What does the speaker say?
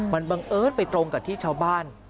มันบังเอิญไปตรงกับที่ชาวบ้าน